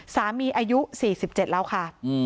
สามีอายุ๔๗แล้วค่ะ